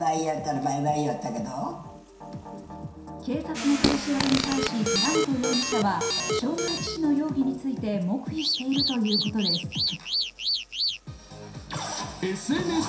警察の取り調べに対し寺本容疑者は、傷害致死の容疑について黙秘しているということです。